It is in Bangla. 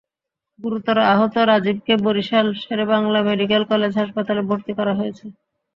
গুরুতর আহত রাজীবকে বরিশাল শেরেবাংলা মেডিকেল কলেজ হাসপাতালে ভর্তি করা হয়েছে।